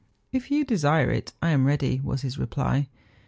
' If you desire it, I am ready,' was his reply.